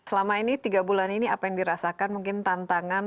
selama ini tiga bulan ini apa yang dirasakan mungkin tantangan